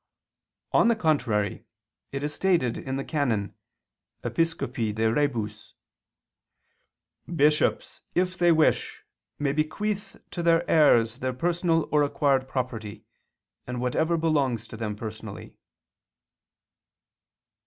On the contrary, It is stated (XII, qu. i, can. Episcopi de rebus): "Bishops, if they wish, may bequeath to their heirs their personal or acquired property, and whatever belongs to them personally."